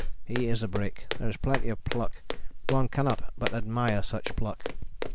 He is a brick, there is plenty of pluck: one cannot but admire such pluck.